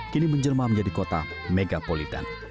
kini menjelma menjadi kota megapolitan